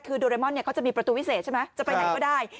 คือโดเรมอนเขาจะมีประตูวิเศษใช่ไหมจะไปไหนก็ได้